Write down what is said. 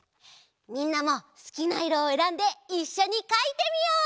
みんなもすきないろをえらんでいっしょにかいてみよう！